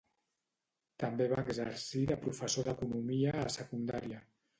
També va exercir de professor d’economia a secundària.